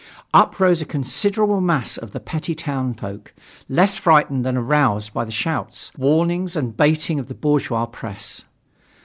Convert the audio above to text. Up rose a considerable mass of the petty townfolk, less frightened than aroused by the shouts, warnings and baiting of the bourgeois press.